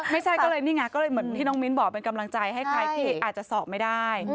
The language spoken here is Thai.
ไม่ใช่ก็เลยนี่ไงก็เลยเหมือนที่น้องมิ้นบอกเป็นกำลังใจให้ใครที่อาจจะสอบไม่ได้